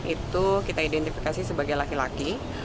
itu kita identifikasi sebagai laki laki